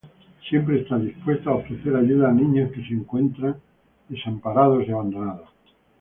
Siempre está dispuesta a ofrecer ayuda a niños que se encontraran desamparados y abandonados.